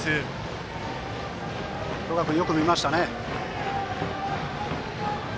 十川君、よく見ましたね。